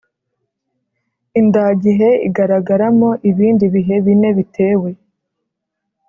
indagihe igaragaramo ibindi bihe bine bitewe